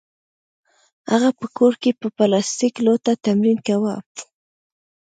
هغه په کور کې په پلاستیکي لوټه تمرین کاوه